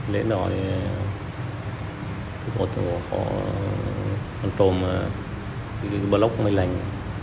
đến đó thì bộ trộm bờ lốc mây lành